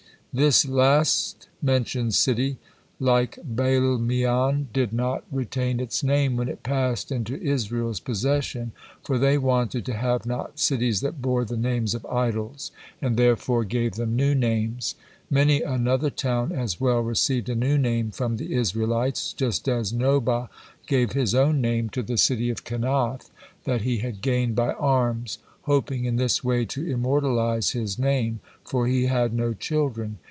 This last mentioned city, like Baalmeon, did not retain its name when it passed into Israel's possession, for they wanted to have not cities that bore the names of idols, and therefore gave them new names. Many another town as well received a new name from the Israelites, just as Nobah gave his own name to the city of Kenath that he had gained by arms, hoping in this way to immortalize his name, for he had no children.